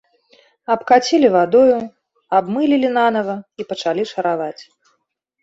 Абкацілі вадою, абмылілі нанава і пачалі шараваць.